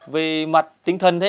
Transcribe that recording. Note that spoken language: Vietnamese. về mặt tinh thần ấy